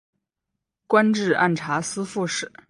官至按察司副使。